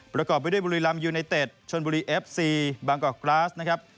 ประกอบไปด้วยบุรีรำยูไนเต็ดชนบุรีเอฟซีบางกอกกราสนะครับ